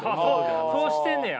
そうしてんねや。